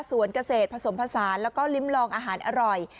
สวนเกษตรผสมผสานแล้วก็ลิ้มลองอาหารอร่อย